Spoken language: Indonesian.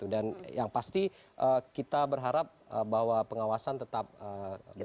dan yang pasti kita berharap bahwa pengawasan tetap berjalan